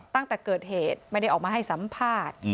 ตั้งแต่เกิดเหตุไม่ได้ออกมาให้สัมภาษณ์